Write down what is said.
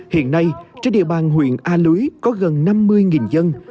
hiện nay trên địa bàn huyện a lưới có gần năm mươi dân